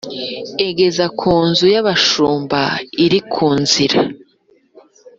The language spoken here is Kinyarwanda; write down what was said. Ageze ku nzu yabashumba iri ku nzira